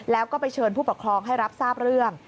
แล้วก็ไปเชิญผู้ปกครองให้รับทราบเรื่อง